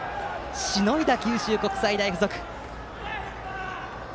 しのいだ、九州国際大付属。